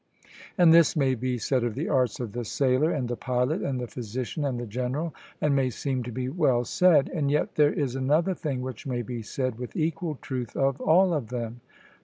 And this may be said of the arts of the sailor, and the pilot, and the physician, and the general, and may seem to be well said; and yet there is another thing which may be said with equal truth of all of them.